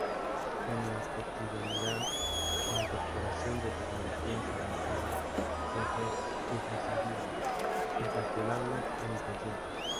En la cotidianidad, la incorporación de tecnologías avanzadas se hace imprescindible, incuestionable e inconsciente.